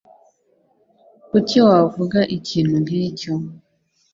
Kuki wavuga ikintu nkicyo?